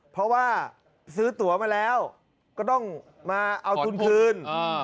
เพราะว่าซื้อตัวมาแล้วก็ต้องมาเอาทุนคืน